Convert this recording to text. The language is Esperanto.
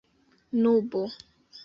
nubo